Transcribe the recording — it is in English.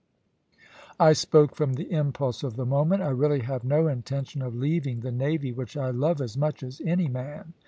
"I spoke from the impulse of the moment. I really have no intention of leaving the navy, which I love as much as any man."